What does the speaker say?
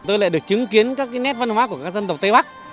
tôi lại được chứng kiến các cái nét văn hóa của các dân tộc tây bắc